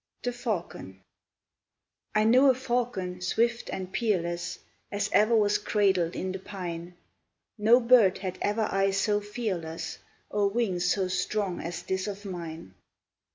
THE FALCON. I know a falcon swift and peerless As e'er was cradled in the pine; No bird had ever eye so fearless, Or wings so strong as this of mine.